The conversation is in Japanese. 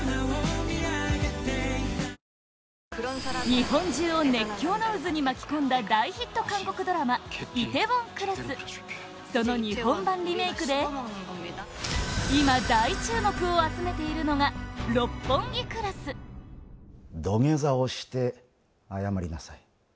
日本中を熱狂の渦に巻き込んだ大ヒット韓国ドラマ「梨泰院クラス」その日本版リメイクで今、大注目を集めているのが「六本木クラス」長屋：土下座をして謝りなさい。